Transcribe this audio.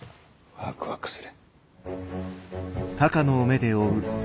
ワクワクする。